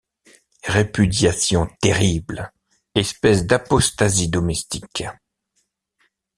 Répudiation terrible! espèce d’apostasie domestique.